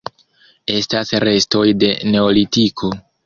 Estas restoj de Neolitiko.